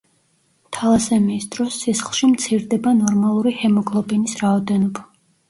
თალასემიის დროს სისხლში მცირდება ნორმალური ჰემოგლობინის რაოდენობა.